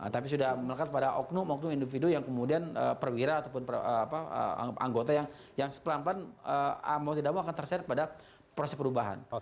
tapi sudah melekat pada oknum oknum individu yang kemudian perwira ataupun anggota yang pelan pelan mau tidak mau akan terseret pada proses perubahan